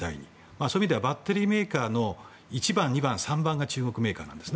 そういう意味ではバッテリーメーカーの１番、２番、３番が中国企業です。